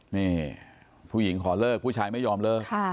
นี่ผู้หญิงขอเลิกผู้ชายไม่ยอมเลิก